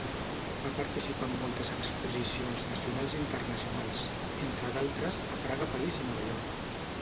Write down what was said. Va participar en moltes exposicions nacionals i internacionals, entre d'altres, a Praga, París i Nova York.